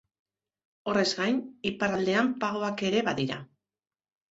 Horrez gain, iparraldean pagoak ere badira.